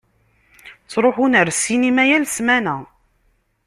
Ttṛuḥun ar ssinima yal ssmana.